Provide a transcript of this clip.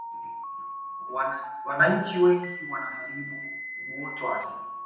wananchi wengi wanaharibu uoto wa asili